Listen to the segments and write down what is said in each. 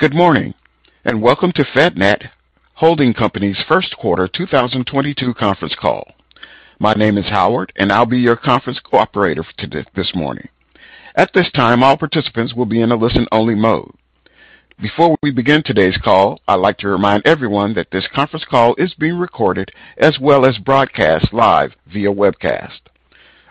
Good morning, and welcome to FedNat Holding Company's Q1 2022 conference call. My name is Howard, and I'll be your conference coordinator this morning. At this time, all participants will be in a listen-only mode. Before we begin today's call, I'd like to remind everyone that this conference call is being recorded as well as broadcast live via webcast.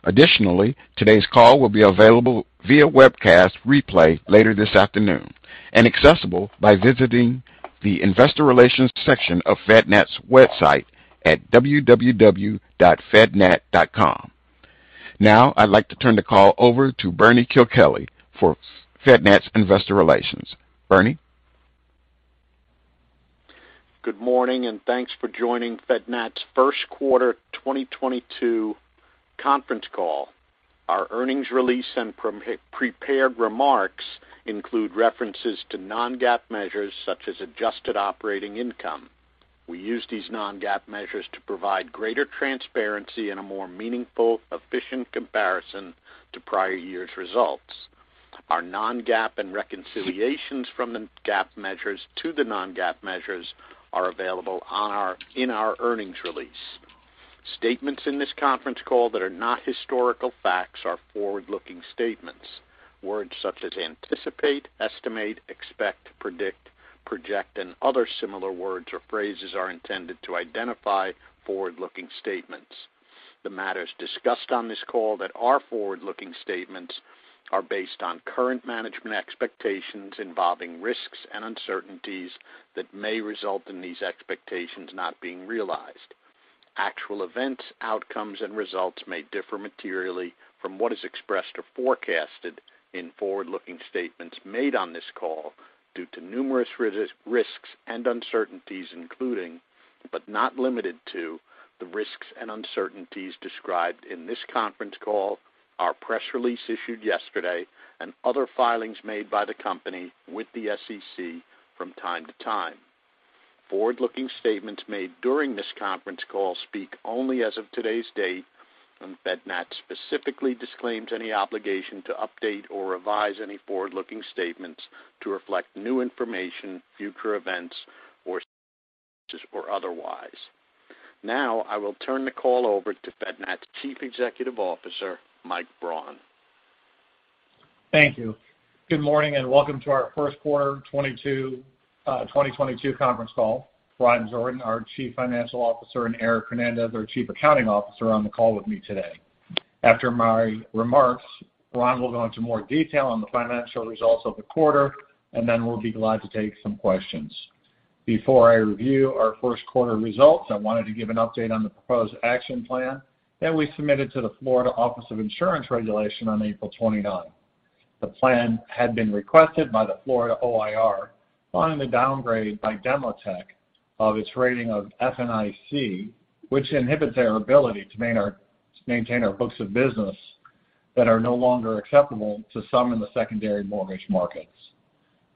Additionally, today's call will be available via webcast replay later this afternoon and accessible by visiting the investor relations section of FedNat's website at www.fednat.com. Now, I'd like to turn the call over to Bernie Kilkelly for FedNat's investor relations. Bernie. Good morning, and thanks for joining FedNat's Q1 2022 conference call. Our earnings release and prepared remarks include references to non-GAAP measures, such as adjusted operating income. We use these non-GAAP measures to provide greater transparency in a more meaningful, efficient comparison to prior years' results. Our non-GAAP reconciliations from the GAAP measures to the non-GAAP measures are available in our earnings release. Statements in this conference call that are not historical facts are forward-looking statements. Words such as anticipate, estimate, expect, predict, project, and other similar words or phrases are intended to identify forward-looking statements. The matters discussed on this call that are forward-looking statements are based on current management expectations involving risks and uncertainties that may result in these expectations not being realized. Actual events, outcomes, and results may differ materially from what is expressed or forecasted in forward-looking statements made on this call due to numerous risks and uncertainties, including, but not limited to, the risks and uncertainties described in this conference call, our press release issued yesterday, and other filings made by the company with the SEC from time to time. Forward-looking statements made during this conference call speak only as of today's date, and FedNat specifically disclaims any obligation to update or revise any forward-looking statements to reflect new information, future events or circumstances or otherwise. Now, I will turn the call over to FedNat's Chief Executive Officer, Mike Braun. Thank you. Good morning, and welcome to our Q1 2022 conference call. Ron Jordan, our Chief Financial Officer, and Erick Fernandez, our Chief Accounting Officer, are on the call with me today. After my remarks, Ron Jordan will go into more detail on the financial results of the quarter, and then we'll be glad to take some questions. Before I review our Q1 results, I wanted to give an update on the proposed action plan that we submitted to the Florida Office of Insurance Regulation on April 29. The plan had been requested by the Florida OIR following the downgrade by Demotech of its rating of FNIC, which inhibits their ability to maintain our books of business that are no longer acceptable to some in the secondary mortgage markets.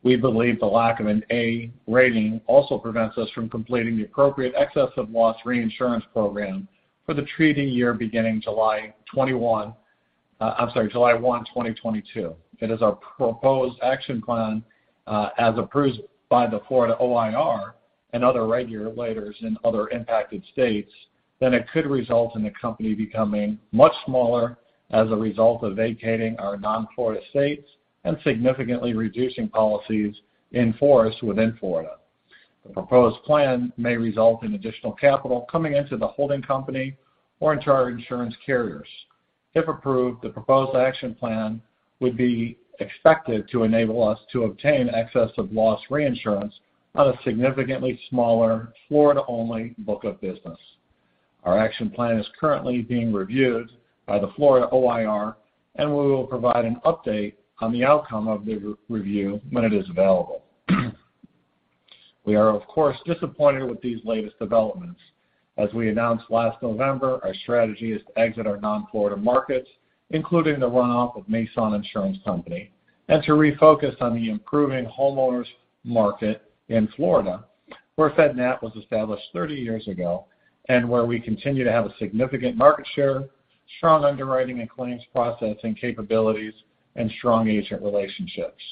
We believe the lack of an A rating also prevents us from completing the appropriate excess of loss reinsurance program for the treaty year beginning July 1, 2022. If it is our proposed action plan, as approved by the Florida OIR and other regulators in other impacted states, then it could result in the company becoming much smaller as a result of vacating our non-Florida states and significantly reducing policies in force within Florida. The proposed plan may result in additional capital coming into the holding company or into our insurance carriers. If approved, the proposed action plan would be expected to enable us to obtain excess of loss reinsurance on a significantly smaller Florida-only book of business. Our action plan is currently being reviewed by the Florida OIR, and we will provide an update on the outcome of the re-review when it is available. We are, of course, disappointed with these latest developments. As we announced last November, our strategy is to exit our non-Florida markets, including the runoff of Maison Insurance Company, and to refocus on the improving homeowners market in Florida, where FedNat was established 30 years ago and where we continue to have a significant market share, strong underwriting and claims processing capabilities, and strong agent relationships.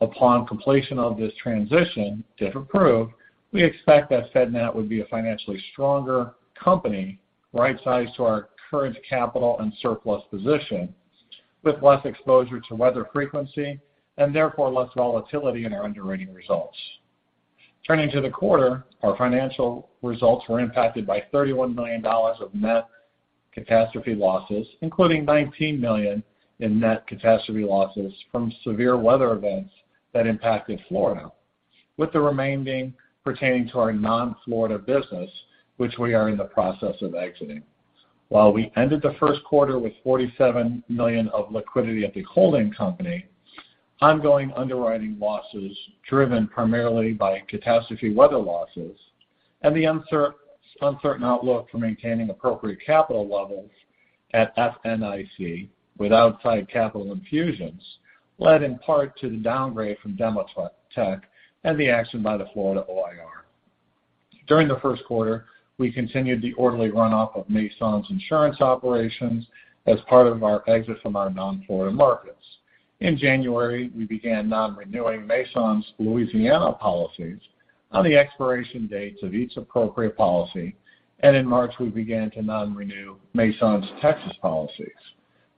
Upon completion of this transition, if approved, we expect that FedNat would be a financially stronger company, right-sized to our current capital and surplus position, with less exposure to weather frequency and therefore less volatility in our underwriting results. Turning to the quarter, our financial results were impacted by $31 million of net catastrophe losses, including $19 million in net catastrophe losses from severe weather events that impacted Florida, with the remaining pertaining to our non-Florida business, which we are in the process of exiting. While we ended the Q1 with $47 million of liquidity at the holding company, ongoing underwriting losses driven primarily by catastrophe weather losses and the uncertain outlook for maintaining appropriate capital levels at FNIC without significant capital infusions led in part to the downgrade from Demotech and the action by the Florida OIR. During the Q1 we continued the orderly runoff of Maison's insurance operations as part of our exit from our non-Florida markets. In January, we began non-renewing Maison's Louisiana policies on the expiration dates of each appropriate policy, and in March, we began to non-renew Maison's Texas policies.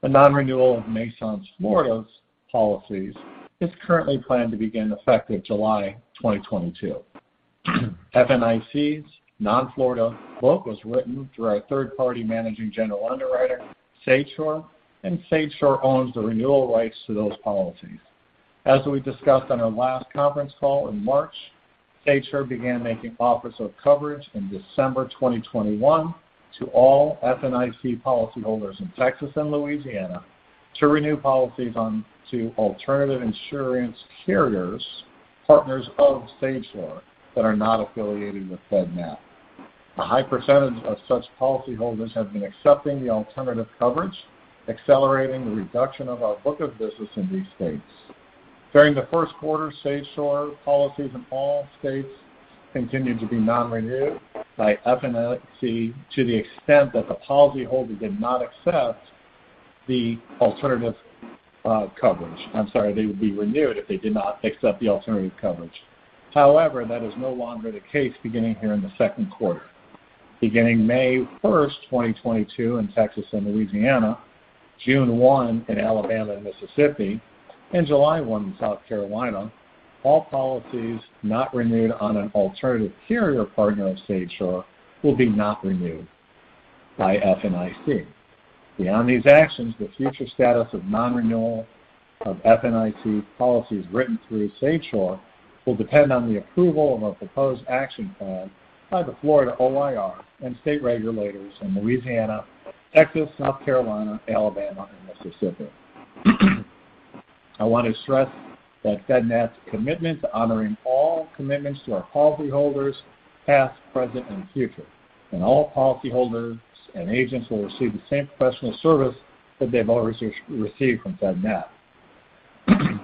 The non-renewal of Maison's Florida policies is currently planned to begin effective July 2022. FNIC's non-Florida book was written through our third-party managing general underwriter, SageSure, and SageSure owns the renewal rights to those policies. As we discussed on our last conference call in March, SageSure began making offers of coverage in December 2021 to all FNIC policyholders in Texas and Louisiana to renew policies onto alternative insurance carriers, partners of SageSure that are not affiliated with FedNat. A high percentage of such policyholders have been accepting the alternative coverage, accelerating the reduction of our book of business in these states. During the Q1, SageSure policies in all states continued to be non-renewed by FNIC to the extent that the policyholder did not accept the alternative coverage. I'm sorry, they would be renewed if they did not accept the alternative coverage. However, that is no longer the case beginning here in the Q2. Beginning May 1st, 2022 in Texas and Louisiana, June 1 in Alabama and Mississippi, and July 1 in South Carolina, all policies not renewed on an alternative carrier partner of SageSure will not be renewed by FNIC. Beyond these actions, the future status of non-renewal of FNIC policies written through SageSure will depend on the approval of a proposed action plan by the Florida OIR and state regulators in Louisiana, Texas, South Carolina, Alabama, and Mississippi. I want to stress that FedNat's commitment to honoring all commitments to our policyholders, past, present, and future, and all policyholders and agents will receive the same professional service that they've always received from FedNat.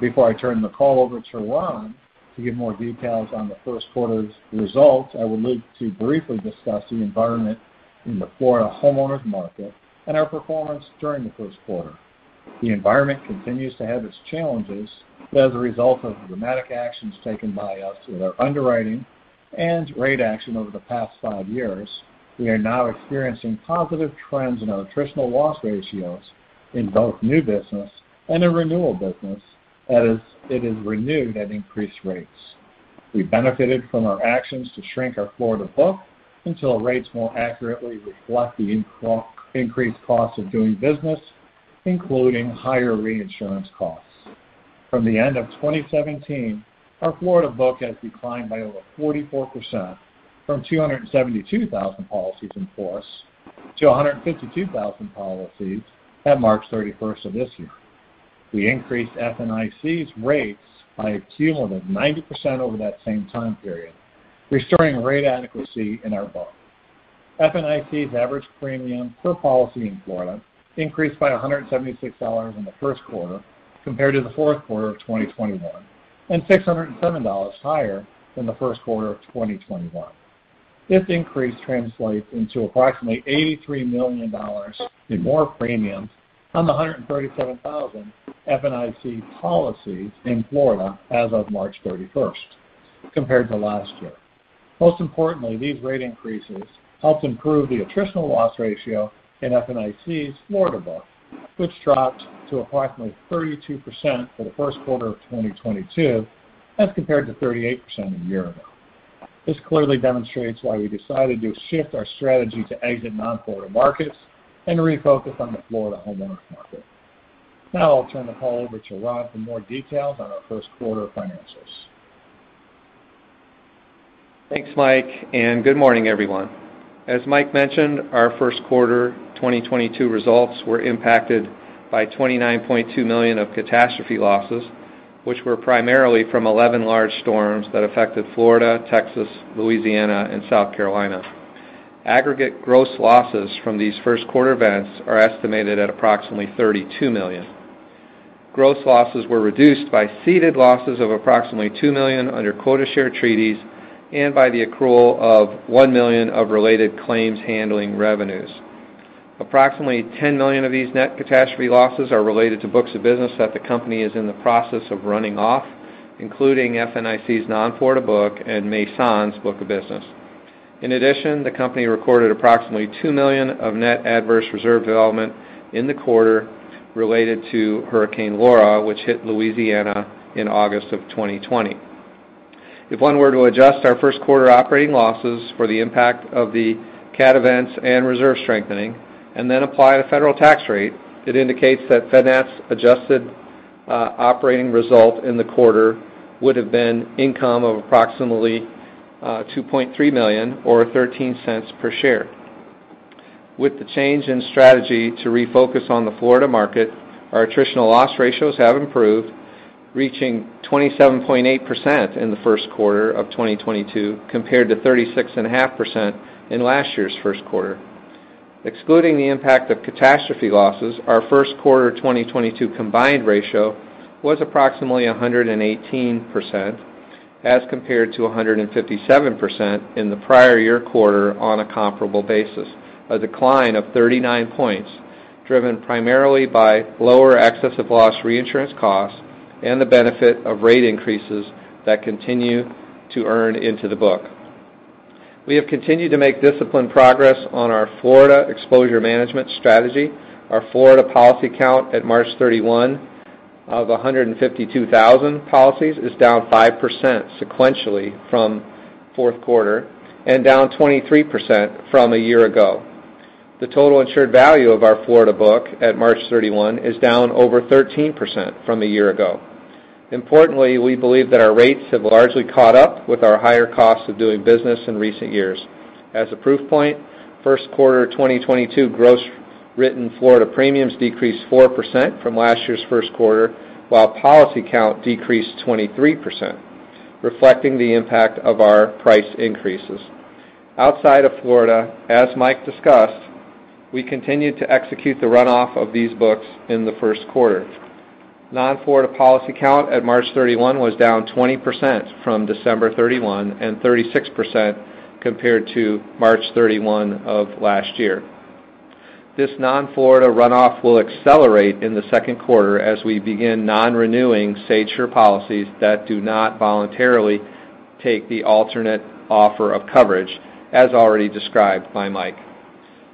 Before I turn the call over to Ron to give more details on the Q1 results, I would like to briefly discuss the environment in the Florida homeowners market and our performance during the Q1. The environment continues to have its challenges, but as a result of the dramatic actions taken by us with our underwriting and rate action over the past five years, we are now experiencing positive trends in our attritional loss ratios in both new business and in renewal business. That is, it is renewed at increased rates. We benefited from our actions to shrink our Florida book until rates more accurately reflect the increased costs of doing business, including higher reinsurance costs. From the end of 2017, our Florida book has declined by over 44% from 272,000 policies in force to 152,000 policies at March 31st of this year. We increased FNIC's rates by a cumulative 90% over that same time period, restoring rate adequacy in our book. FNIC's average premium per policy in Florida increased by $176 in the Q1 compared to the Q4 of 2021, and $607 higher than the Q1 of 2021. This increase translates into approximately $83 million in more premiums on the 137,000 FNIC policies in Florida as of March 31st compared to last year. Most importantly, these rate increases helped improve the attritional loss ratio in FNIC's Florida book, which dropped to approximately 32% for the Q1 of 2022 as compared to 38% a year ago. This clearly demonstrates why we decided to shift our strategy to exit non-Florida markets and refocus on the Florida homeowners market. Now I'll turn the call over to Ron for more details on our Q1 financials. Thanks, Mike, and good morning, everyone. As Mike mentioned, our Q1 2022 results were impacted by $29.2 million of catastrophe losses, which were primarily from 11 large storms that affected Florida, Texas, Louisiana, and South Carolina. Aggregate gross losses from these Q1 events are estimated at approximately $32 million. Gross losses were reduced by ceded losses of approximately $2 million under quota share treaties and by the accrual of $1 million of related claims handling revenues. Approximately $10 million of these net catastrophe losses are related to books of business that the company is in the process of running off, including FNIC's non-Florida book and Maison's book of business. In addition, the company recorded approximately $2 million of net adverse reserve development in the quarter related to Hurricane Laura, which hit Louisiana in August of 2020. If one were to adjust our Q1 operating losses for the impact of the cat events and reserve strengthening and then apply a federal tax rate, it indicates that FedNat's adjusted operating result in the quarter would have been income of approximately $2.3 million or $0.13 per share. With the change in strategy to refocus on the Florida market, our attritional loss ratios have improved, reaching 27.8% in the Q1 of 2022 compared to 36.5% in last year's Q1. Excluding the impact of catastrophe losses, our Q1 2022 combined ratio was approximately 118%, as compared to 157% in the prior year quarter on a comparable basis. A decline of 39 points, driven primarily by lower excess of loss reinsurance costs and the benefit of rate increases that continue to earn into the book. We have continued to make disciplined progress on our Florida exposure management strategy. Our Florida policy count at March 31 of 152,000 policies is down 5% sequentially from Q4 and down 23% from a year ago. The total insured value of our Florida book at March 31 is down over 13% from a year ago. Importantly, we believe that our rates have largely caught up with our higher costs of doing business in recent years. As a proof point, Q1 2022 gross written Florida premiums decreased 4% from last year's Q1, while policy count decreased 23%, reflecting the impact of our price increases. Outside of Florida, as Mike discussed, we continued to execute the runoff of these books in the Q1. Non-Florida policy count at March 31 was down 20% from December 31 and 36% compared to March 31 of last year. This non-Florida runoff will accelerate in the Q2 as we begin non-renewing SageSure policies that do not voluntarily take the alternate offer of coverage, as already described by Mike.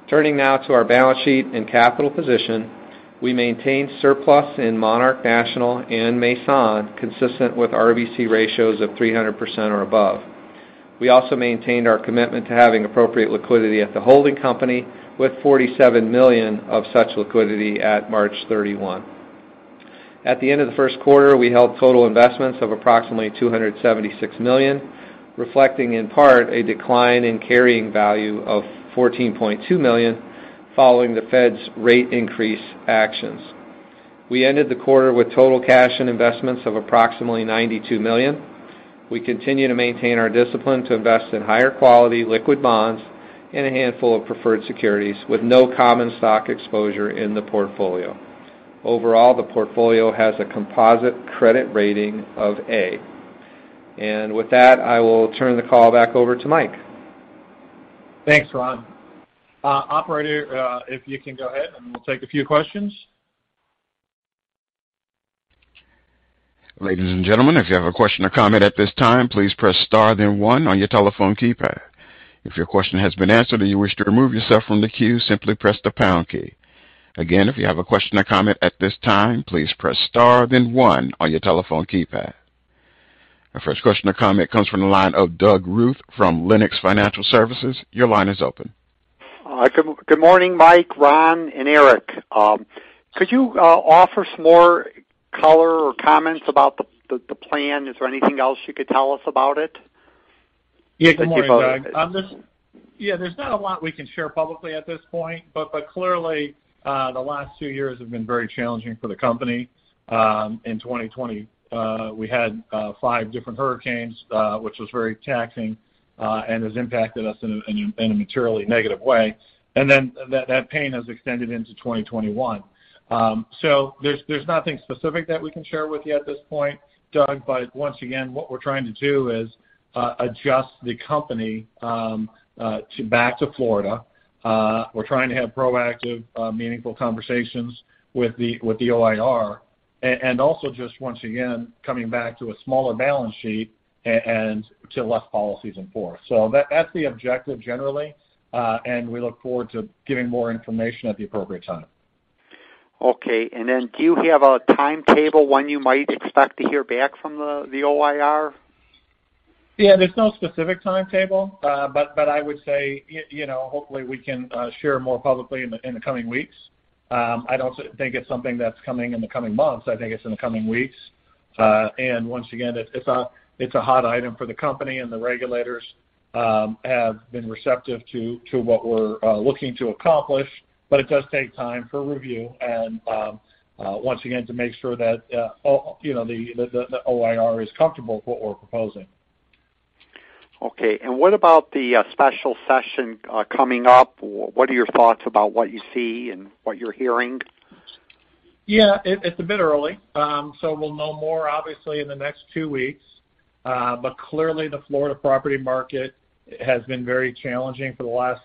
Turning now to our balance sheet and capital position. We maintained surplus in Monarch National and Maison consistent with RBC ratios of 300% or above. We also maintained our commitment to having appropriate liquidity at the holding company with $47 million of such liquidity at March 31. At the end of the Q1, we held total investments of approximately $276 million, reflecting in part a decline in carrying value of $14.2 million following the Fed's rate increase actions. We ended the quarter with total cash and investments of approximately $92 million. We continue to maintain our discipline to invest in higher quality liquid bonds and a handful of preferred securities with no common stock exposure in the portfolio. Overall, the portfolio has a composite credit rating of A. With that, I will turn the call back over to Mike. Thanks, Ron. Operator, if you can go ahead and we'll take a few questions. Ladies and gentlemen, if you have a question or comment at this time, please press star then one on your telephone keypad. If your question has been answered or you wish to remove yourself from the queue, simply press the pound key. Again, if you have a question or comment at this time, please press star then one on your telephone keypad. Our first question or comment comes from the line of Doug Ruth from Lenox Financial Services. Your line is open. Good morning, Mike, Ron, and Erick. Could you offer some more color or comments about the plan? Is there anything else you could tell us about it? Yeah. Good morning, Doug. Yeah, there's not a lot we can share publicly at this point, but clearly, the last two years have been very challenging for the company. In 2020, we had five different hurricanes, which was very taxing, and has impacted us in a materially negative way. That pain has extended into 2021. There's nothing specific that we can share with you at this point, Doug, but once again, what we're trying to do is adjust the company to back to Florida. We're trying to have proactive meaningful conversations with the OIR and also just once again, coming back to a smaller balance sheet and to less policies in force. That's the objective generally, and we look forward to giving more information at the appropriate time. Okay. Do you have a timetable when you might expect to hear back from the OIR? Yeah. There's no specific timetable. But I would say, you know, hopefully, we can share more publicly in the coming weeks. I don't think it's something that's coming in the coming months. I think it's in the coming weeks. And once again, it's a hot item for the company, and the regulators have been receptive to what we're looking to accomplish. It does take time for review and, once again, to make sure that all you know the OIR is comfortable with what we're proposing. Okay. What about the special session coming up? What are your thoughts about what you see and what you're hearing? Yeah. It's a bit early. We'll know more obviously in the next two weeks. Clearly, the Florida property market has been very challenging for the last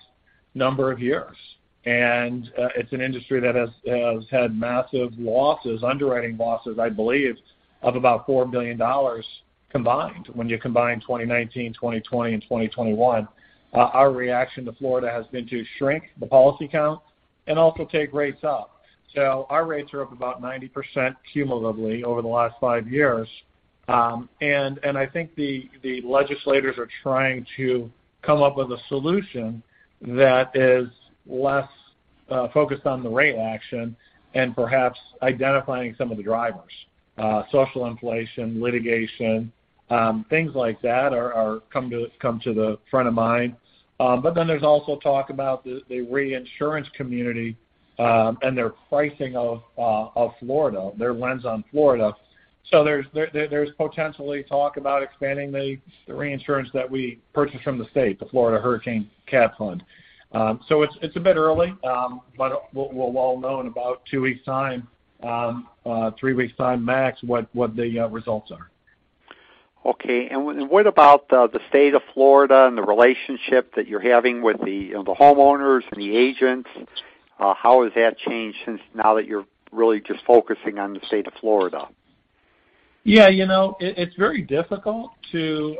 number of years. It's an industry that has had massive losses, underwriting losses, I believe, of about $4 billion combined. When you combine 2019, 2020, and 2021, our reaction to Florida has been to shrink the policy count and also take rates up. Our rates are up about 90% cumulatively over the last five years. I think the legislators are trying to come up with a solution that is less focused on the rate action and perhaps identifying some of the drivers, social inflation, litigation, things like that are coming to the front of mind. There's also talk about the reinsurance community and their pricing of Florida, their lens on Florida. There's potentially talk about expanding the reinsurance that we purchase from the state, the Florida Hurricane Catastrophe Fund. It's a bit early, but we'll all know in about two weeks' time, three weeks' time max, what the results are. Okay. What about the state of Florida and the relationship that you're having with the, you know, the homeowners and the agents? How has that changed since now that you're really just focusing on the state of Florida? Yeah, you know, it's very difficult to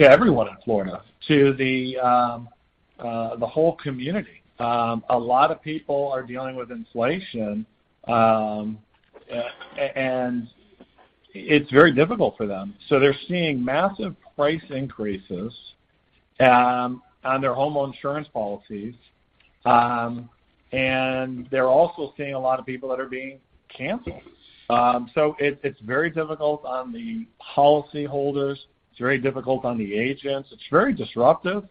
everyone in Florida, to the whole community. A lot of people are dealing with inflation, and it's very difficult for them. They're seeing massive price increases on their home insurance policies, and they're also seeing a lot of people that are being canceled. It's very difficult on the policyholders. It's very difficult on the agents. It's very disruptive.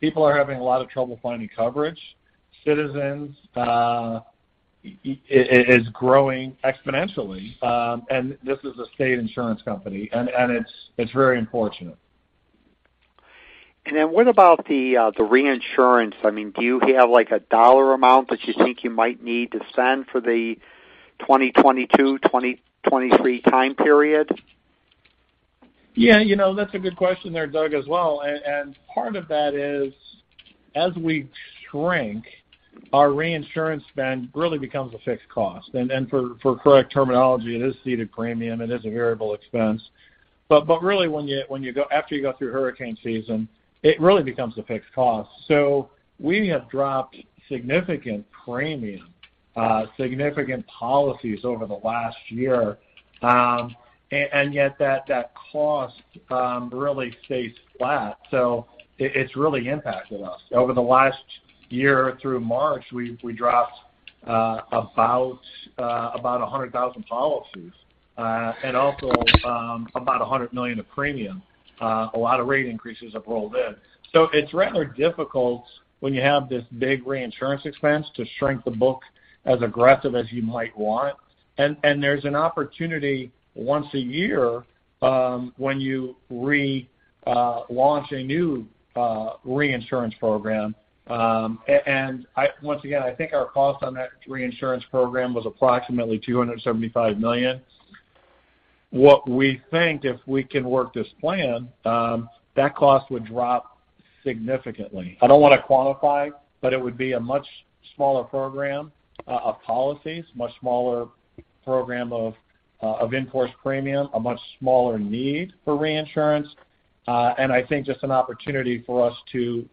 People are having a lot of trouble finding coverage. Citizens is growing exponentially, and this is a state insurance company, and it's very unfortunate. What about the reinsurance? I mean, do you have like a dollar amount that you think you might need to spend for the 2022, 2023 time period? Yeah, you know, that's a good question there, Doug, as well. Part of that is, as we shrink, our reinsurance spend really becomes a fixed cost. For correct terminology, it is ceded premium, it is a variable expense. Really, after you go through hurricane season, it really becomes a fixed cost. We have dropped significant premium, significant policies over the last year, and yet that cost really stays flat. It's really impacted us. Over the last year through March, we dropped about 100,000 policies, and also about $100 million of premium. A lot of rate increases have rolled in. It's rather difficult when you have this big reinsurance expense to shrink the book as aggressive as you might want. There's an opportunity once a year, when you launch a new reinsurance program. Once again, I think our cost on that reinsurance program was approximately $275 million. What we think, if we can work this plan, that cost would drop significantly. I don't wanna quantify, but it would be a much smaller program of policies, much smaller program of in-force premium, a much smaller need for reinsurance, and I think just an opportunity for us to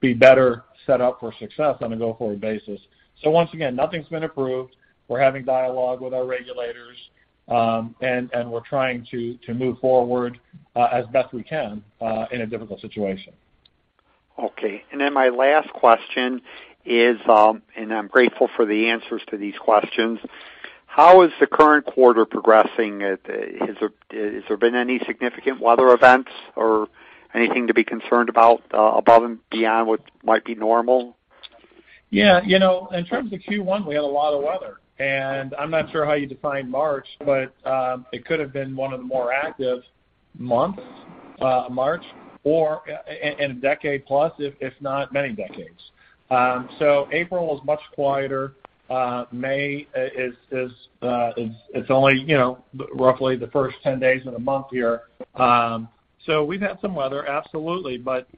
be better set up for success on a go-forward basis. Once again, nothing's been approved. We're having dialogue with our regulators, and we're trying to move forward as best we can in a difficult situation. Okay. My last question is, and I'm grateful for the answers to these questions, how is the current quarter progressing? Has there been any significant weather events or anything to be concerned about, above and beyond what might be normal? Yeah. You know, in terms of Q1, we had a lot of weather. I'm not sure how you define March, but it could have been one of the more active months, March or in a decade plus, if not many decades. April was much quieter. May is only, you know, roughly the first 10 days of the month here. We've had some weather, absolutely, but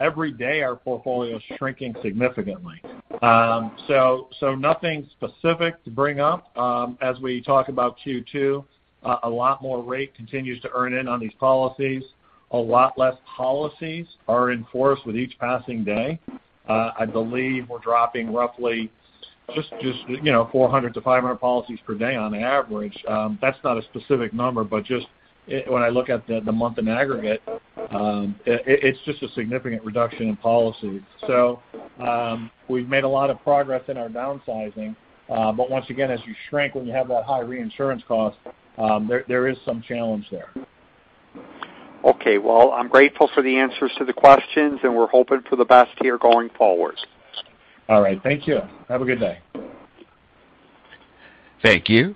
every day our portfolio is shrinking significantly. Nothing specific to bring up. As we talk about Q2, a lot more rate continues to earn in on these policies. A lot less policies are in force with each passing day. I believe we're dropping roughly 400-500 policies per day on average. That's not a specific number, but just when I look at the month in aggregate, it's just a significant reduction in policy. We've made a lot of progress in our downsizing. Once again, as you shrink, when you have that high reinsurance cost, there is some challenge there. Okay. Well, I'm grateful for the answers to the questions, and we're hoping for the best here going forward. All right. Thank you. Have a good day. Thank you.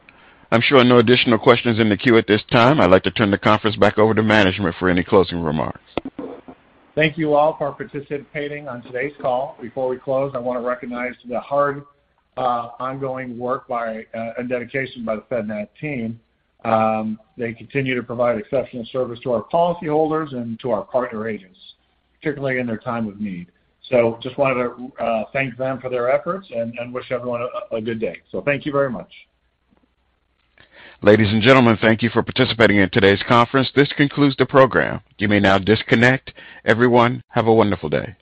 I'm showing no additional questions in the queue at this time. I'd like to turn the conference back over to management for any closing remarks. Thank you all for participating on today's call. Before we close, I wanna recognize the hard, ongoing work by and dedication by the FedNat team. They continue to provide exceptional service to our policyholders and to our partner agents, particularly in their time of need. Just wanted to thank them for their efforts and wish everyone a good day. Thank you very much. Ladies and gentlemen, thank you for participating in today's conference. This concludes the program. You may now disconnect. Everyone, have a wonderful day.